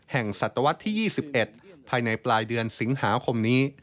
ศตวรรษที่๒๑ภายในปลายเดือนสิงหาคมนี้